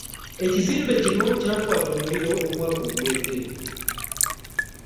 Ekizimbe kino kyakwata omuliro omwaka oguwedde.